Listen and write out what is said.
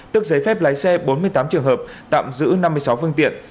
tức giấy phép lái xe bốn mươi tám trường hợp tạm giữ năm mươi sáu phương tiện